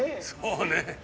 そうね。